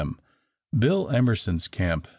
M. Bill Emerson's camp 9.